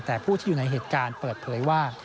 แต่ผู้ที่อยู่ในเหตุการณ์เปิดเผยว่า